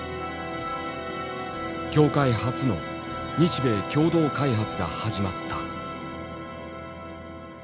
業界初の日米共同開発が始まった。